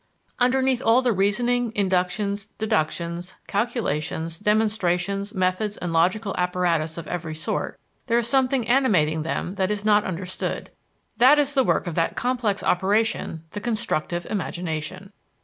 Underneath all the reasoning, inductions, deductions, calculations, demonstrations, methods, and logical apparatus of every sort, there is something animating them that is not understood, that is the work of that complex operation the constructive imagination.